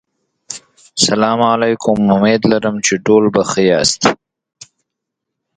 Ingeborg Rapoport continued be active in her medical profession and in social action.